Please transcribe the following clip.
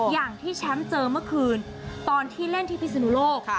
อย่างที่แชมป์เจอเมื่อคืนตอนที่เล่นที่พิศนุโลก